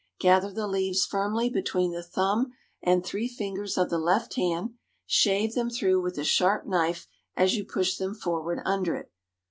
Gather the leaves firmly between the thumb and three fingers of the left hand; shave them through with a sharp knife as you push them forward under it.